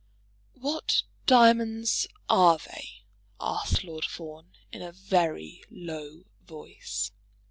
"What diamonds are they?" asked Lord Fawn in a very low voice.